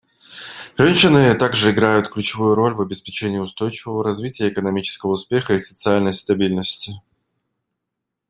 Женщины также играют ключевую роль в обеспечении устойчивого развития, экономического успеха и социальной стабильности.